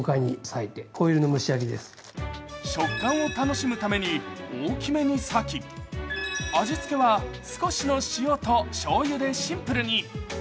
食感を楽しむために大きめにさき、味付けは少しの塩としょうゆでシンプルに。